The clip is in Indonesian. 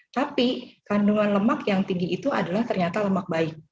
tapi kandungan lemak yang tinggi itu adalah ternyata lemak bayi